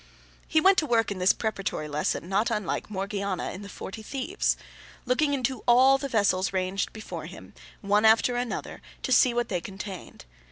He went to work in this preparatory lesson, not unlike Morgiana in the Forty Thieves: looking into all the vessels ranged before him, one after another, to see what they contained.